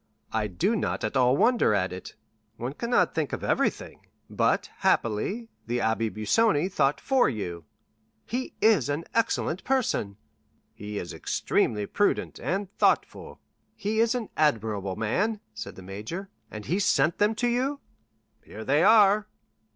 "I do not at all wonder at it—one cannot think of everything; but, happily, the Abbé Busoni thought for you." "He is an excellent person." "He is extremely prudent and thoughtful." "He is an admirable man," said the major; "and he sent them to you?" "Here they are."